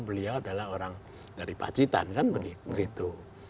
beliau adalah orang dari pacitan kan begitu